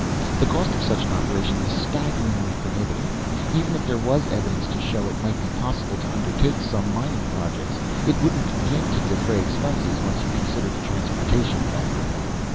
The cost of such an operation is staggeringly prohibitive. Even if there was evidence to show it might be possible to undertake some mining projects, it wouldn't begin to defray expenses, once you consider the transportation factor."